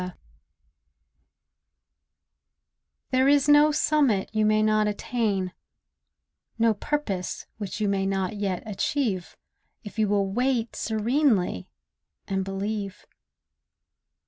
ATTAINMENT There is no summit you may not attain, No purpose which you may not yet achieve, If you will wait serenely and believe.